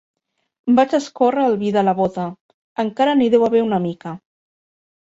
Vaig a escórrer el vi de la bota: encara n'hi deu haver una mica.